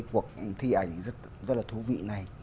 cuộc thi ảnh rất là thú vị này